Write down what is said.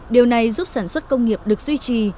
điều này giúp sản xuất công nghiệp được duy trì